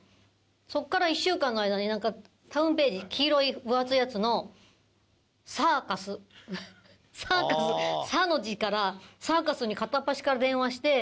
そこから１週間の間に『タウンページ』黄色い分厚いやつの「サーカス」「サーカス」「サ」の字からサーカスに片っ端から電話して。